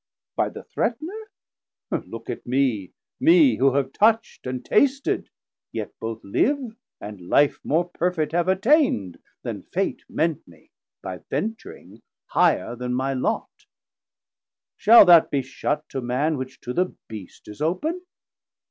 By the Threatner, look on mee, Mee who have touch'd and tasted, yet both live, And life more perfet have attaind then Fate Meant mee, by ventring higher then my Lot. 690 Shall that be shut to Man, which to the Beast Is open?